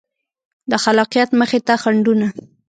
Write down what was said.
د خلاقیت مخې ته خنډونه